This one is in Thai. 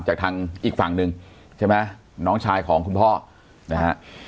จากทางอีกฝั่งหนึ่งใช่ไหมน้องชายของคุณพ่อนะฮะ